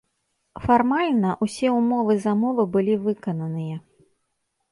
Фармальна, усе ўмовы замовы былі выкананыя.